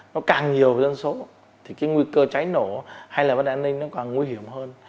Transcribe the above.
nó càng nhiều dân số thì cái nguy cơ cháy nổ hay là vấn đề an ninh nó càng nguy hiểm hơn